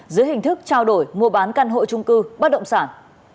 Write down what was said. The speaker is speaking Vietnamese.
dưới hình thức trao đổi mua bán căn hộ trung cư bất động sản